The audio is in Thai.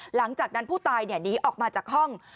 หลังจากนั้นผู้ตายหนีออกมาจากห้อง